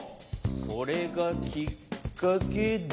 それがきっかけで。